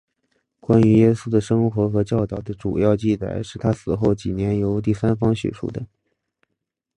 关于耶稣的生活和教导的主要记载是他死后几年由第三方叙述的。